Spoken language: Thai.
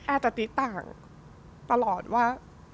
แอจะติดต่างตลอดว่า